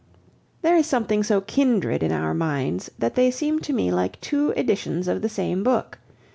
There is something so kindred in our minds that they seem to me like two editions of the same book.